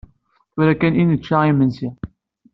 Tura kan i nečča imensi.